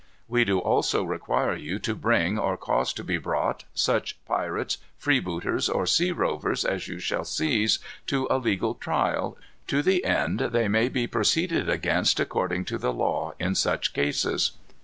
We do also require you to bring, or cause to be brought, such pirates, freebooters, or sea rovers, as you shall seize, to a legal trial, to the end they may be proceeded against according to the law in such cases.